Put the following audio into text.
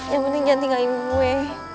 yang penting jangan tinggalin gue